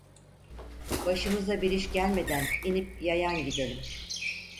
Başımıza bir iş gelmeden inip yayan gidelim!